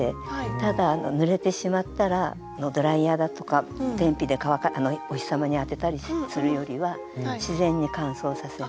ただぬれてしまったらドライヤーだとか天日で乾かお日様に当てたりするよりは自然に乾燥させる。